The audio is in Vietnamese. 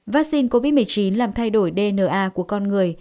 vaccine covid một mươi chín làm thay đổi dna của con người